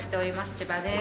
千葉です。